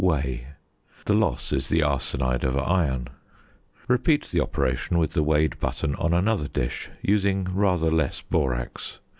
Weigh: the loss is the arsenide of iron. Repeat the operation with the weighed button on another dish, using rather less borax.